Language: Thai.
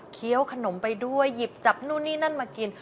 ขนมไปด้วยหยิบจับนู่นนี่นั่นมากิน